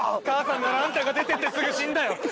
母さんならあんたが出てってすぐ死んだよ